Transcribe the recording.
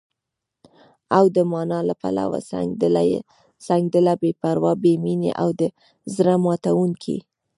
او د مانا له پلوه، سنګدله، بې پروا، بې مينې او د زړه ماتوونکې